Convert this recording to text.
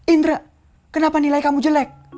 indra kenapa nilai kamu jelek